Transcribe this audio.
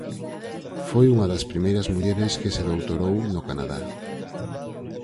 Foi unha das primeiras mulleres que se doutorou no Canadá.